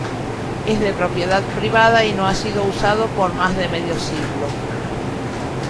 Es de propiedad privada y no ha sido usado por más de medio siglo.